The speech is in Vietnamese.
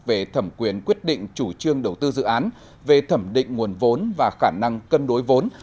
về thẩm quyền quyết định chủ trương đầu tư dự án về thẩm định nguồn vốn và khả năng cân đối vốn